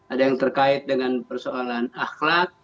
ada yang terkait dengan persoalan akhlak